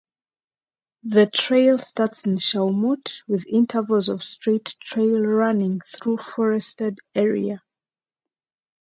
The trail starts in Shawmut with intervals of straight trail running through forested area.